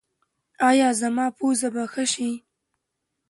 ایا زما پوزه به ښه شي؟